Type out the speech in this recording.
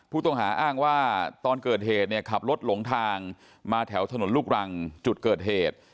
ผู้ต้องหาอ้างว่าตอนเกิดเหตุเนี่ยขับรถหลงทางมาแถวถนนลูกรังจุดเกิดเหตุ